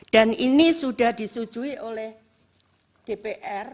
dan ini sudah disetujui oleh dpr